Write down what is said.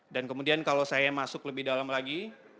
dan kemudian kalau saya masuk lebih dalam lagi